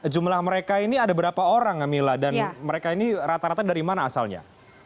jumlah mereka ini ada berapa orang mila dan mereka ini rata rata dari mana asalnya